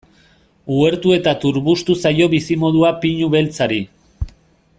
Uhertu eta turbustu zaio bizimodua pinu beltzari.